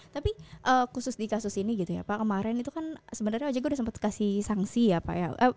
tapi khusus di kasus ini gitu ya pak kemarin itu kan sebenarnya ojk sudah sempat kasih sanksi ya pak ya